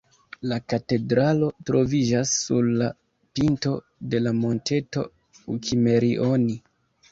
La katedralo troviĝas sur la pinto de la monteto Uk’imerioni.